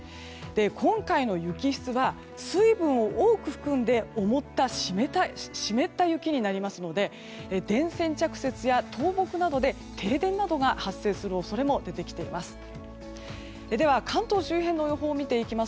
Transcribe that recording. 今回の雪質は水分を多く含んで重たく湿った雪になりますので電線着雪や倒木などで停電などが発生する恐れも出てきています。